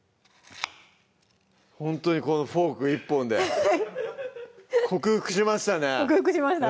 ほんとにこのフォーク１本で克服しましたね